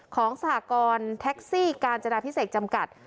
สหกรณ์แท็กซี่กาญจนาพิเศษจำกัด